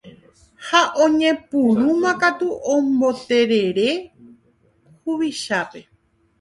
ha oñepyrũmakatu omboterere huvichápe.